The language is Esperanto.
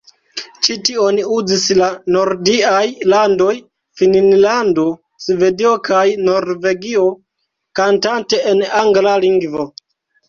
Ĉi-tion uzis la nordiaj landoj Finnlando, Svedio kaj Norvegio, kantante en angla lingvo.